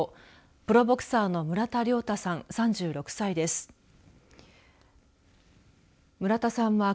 プロボクサーの村田諒太さん３６歳です。